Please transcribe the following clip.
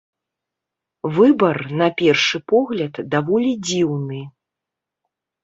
Выбар, на першы погляд, даволі дзіўны.